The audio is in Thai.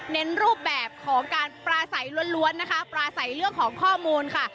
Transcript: รูปแบบของการปลาใสล้วนนะคะปลาใสเรื่องของข้อมูลค่ะ